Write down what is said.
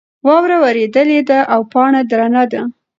واوره ورېدلې ده او پاڼه درنه ده.